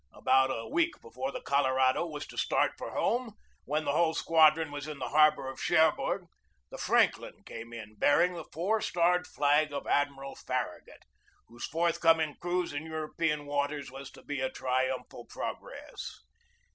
About a week before the Colorado was to start for home, when the whole squadron was in the harbor of Cherbourg, the Franklin came in, bearing the four starred flag of Admiral Farragut, whose forthcoming cruise in European waters was to be a triumphal progress.